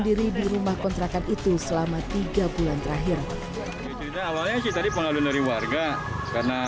diri di rumah kontrakan itu selama tiga bulan terakhir awalnya kita dipengaruhi warga karena